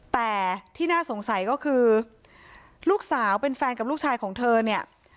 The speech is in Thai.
แต่ที่น่าสงสัยก็คือลูกสาวเป็นแฟนกับลูกชายของเธอเนี่ย